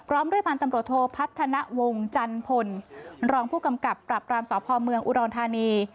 ร้องด้วยพันธุ์ตำรถโทษพัฒนวงจันทน์พลรองผู้กำกับปรับกรามสอบพ่อเมืองอุรณฑานี